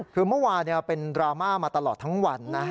คือเมื่อวานเป็นดราม่ามาตลอดทั้งวันนะ